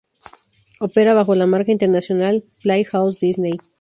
Opera bajo la marca internacional Playhouse Disney.